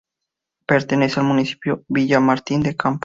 Pertenece al municipio de Villamartín de Campos.